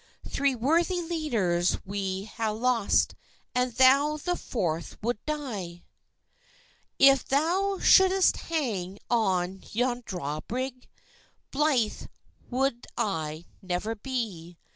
Three worthy leaders we ha'e lost, And thou the forth wou'd lie. "If thou shou'dst hang on yon draw brig, Blythe wou'd I never be."